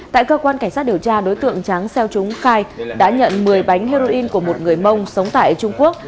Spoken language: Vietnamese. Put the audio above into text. tại cơ quan cảnh sát điều tra đối tượng tráng xeo trúng khai đã nhận một mươi bánh heroin của một người mông sống tại trung quốc